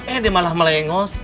eh dia malah melengos